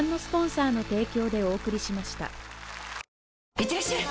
いってらっしゃい！